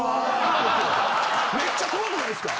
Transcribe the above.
めっちゃ怖くないっすか？